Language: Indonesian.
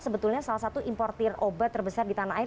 sebetulnya salah satu importer obat terbesar di tanah air